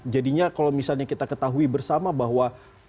jadinya kalau misalnya kita ketahui bersama bahwa